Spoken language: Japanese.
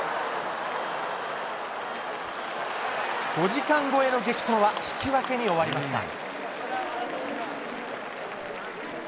５時間超えの激闘は、引き分けに終わりました。